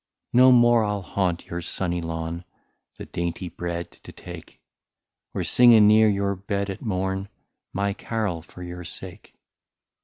" No more I '11 haunt your sunny lawn, The dainty bread to take ; Or sing anear your bed at morn My carol for your sake.